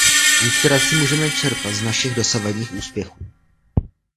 Inspiraci můžeme čerpat z našich dosavadních úspěchů.